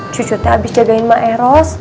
cucutnya abis jagain mak eros